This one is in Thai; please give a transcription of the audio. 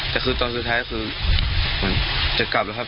แต่คือตอนสุดท้ายคือเหมือนจะกลับแล้วครับ